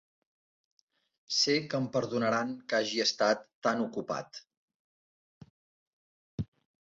Sé que em perdonaran que hagi estat tan ocupat.